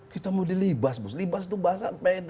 kita mau di libas